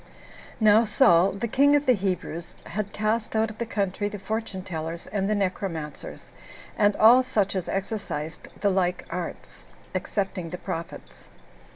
2. Now Saul, the king of the Hebrews, had cast out of the country the fortune tellers, and the necromancers, and all such as exercised the like arts, excepting the prophets.